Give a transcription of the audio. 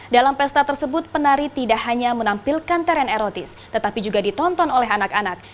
dalam pesta tersebut penari tidak hanya menampilkan teren erotis tetapi juga ditonton oleh anak anak